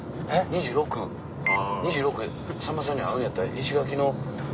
２６さんまさんに会うんやったら石垣の。